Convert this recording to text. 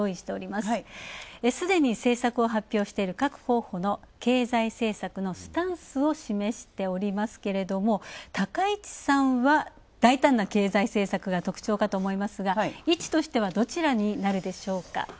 すでに政策を発表している各候補の経済政策のスタンスを示しておりますけど、高市さんは、だいたんな経済政策が特徴かと思いますが、位置としてはどちらになるでしょうか？